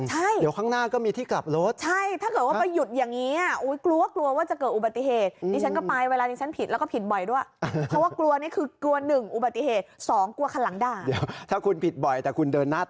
ใช่เดี๋ยวข้างหน้าก็มีที่กลับรถใช่ถ้าเกิดว่าไปหยุดอย่างงี้อุ้ยกลัวว่าจะเกิดอุบัติเหตุ